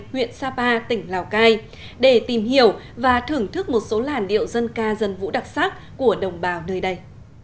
huyện sapa tỉnh lào cai để tìm hiểu và thưởng thức một số làn điệu dân ca dân vũ đặc sắc của đồng bào nơi đây